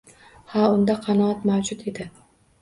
Ha, unda qanoat mavjud edi.